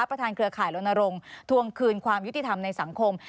เครือข่ายรณรงค์ทวงคืนความยุติธรรมในสังคม